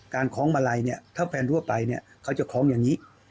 การค้องมาลัยถ้าแฟนรั่วไปเขาจะค้องอย่างนี้